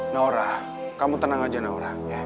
naura kamu tenang aja naura